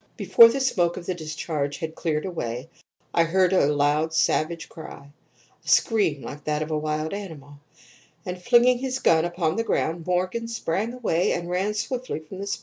Before the smoke of the discharge had cleared away I heard a loud savage cry a scream like that of a wild animal and, flinging his gun upon the ground, Morgan sprang away and ran swiftly from the spot.